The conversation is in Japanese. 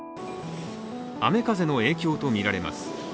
雨風の影響とみられます。